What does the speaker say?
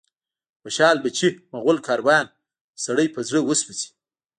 خوشال بچي، مغول کاروان، سړی په زړه وسوځي